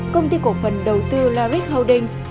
công ty cổ phần đầu tư larich holdings